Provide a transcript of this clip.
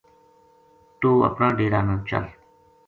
توہ اپنا ڈیرا نا چل‘‘